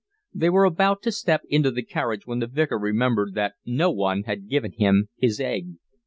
They were about to step into the carriage when the Vicar remembered that no one had given him his egg.